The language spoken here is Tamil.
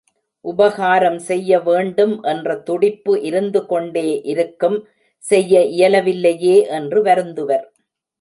உபகாரம் செய்ய வேண்டும் என்ற துடிப்பு இருந்துகொண்டே இருக்கும் செய்ய இயலவில்லையே என்று வருந்துவர்.